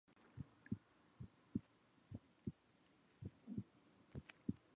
Bill, meanwhile, sees both of them making love from a patrol car.